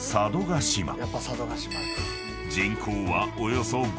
［人口はおよそ５万人］